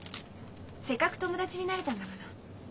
せっかく友達になれたんだもの。